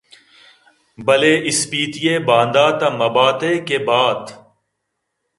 بلے اسپیتی ءِ باندات ءَ مباتے کہ بات